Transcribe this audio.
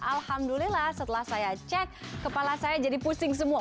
alhamdulillah setelah saya cek kepala saya jadi pusing semua